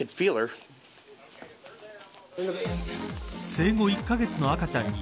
生後１カ月の赤ちゃんに